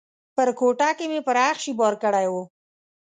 په کوټه کې مې پر اخښي بار کړی و.